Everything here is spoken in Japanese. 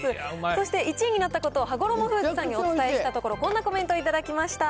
そして１位になったことを、はごろもフーズさんにお伝えしたところ、こんなコメントを頂きました。